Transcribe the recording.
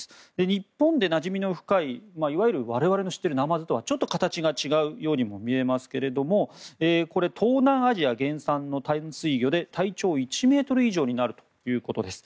日本でなじみの深い我々の知っているナマズとはちょっと形が違うようにも見えますがこれ、東南アジア原産の淡水魚で体長１ｍ以上になるということです。